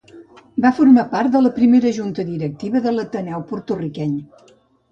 Va formar part de la primera Junta Directiva de l'Ateneu Porto-riqueny.